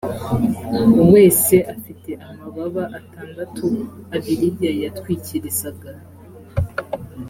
wese afite amababa atandatu abiri yayatwikirizaga